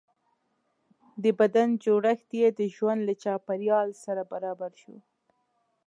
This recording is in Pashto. د بدن جوړښت یې د ژوند له چاپېریال سره برابر شو.